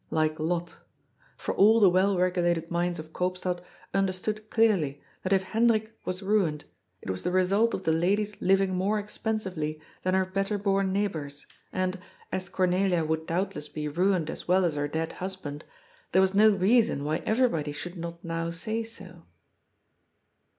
Like Lot. For all the well reg ulated minds of Koopstad understood clearly that if Hen drik was ruined, it was the result of the lady's living more expensively than her better born neighbours, and, as Cor nelia would doubtless be ruined as well as her dead hus band, there was no reason why everybody should not now say so.